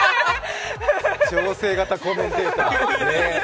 調整型コメンテーター。